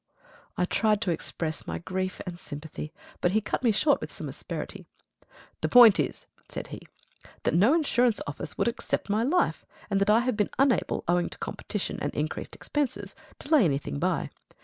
I tried to express my grief and sympathy, but he cut me short with some asperity. "The point is," said he, "that no insurance office would accept my life, and that I have been unable, owing to competition and increased expenses, to lay anything by.